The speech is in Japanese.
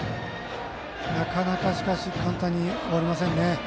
なかなか簡単に終わりませんね。